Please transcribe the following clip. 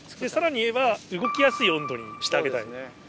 さらにいえば動きやすい温度にしてあげたい。